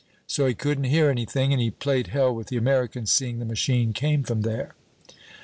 So he couldn't hear anything, and he played hell with the Americans, seeing the machine came from there.